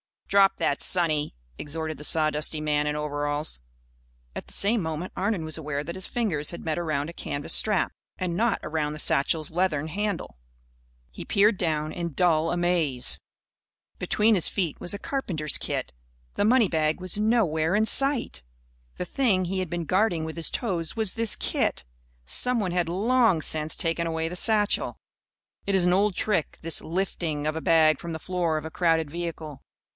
"Drop that, sonny!" exhorted the sawdusty man in overalls. At the same moment Arnon was aware that his fingers had met around a canvas strap and not around the satchel's leathern handle. He peered down, in dull amaze. Between his feet was a carpenter's kit. The money bag was nowhere in sight. The thing he had been guarding with his toes was this kit. Someone had long since taken away the satchel. It is an old trick, this "lifting" of a bag from the floor of a crowded vehicle.